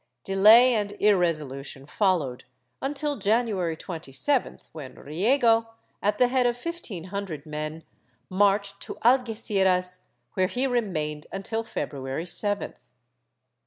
Delay and irresolution followed, until January 27th, when Riego, at the head of fifteen hundred men, marched to Algeciras, where he remained until February 7th.